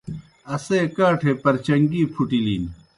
اسے کاٹھے پرچن٘گی پُھٹِلِن۔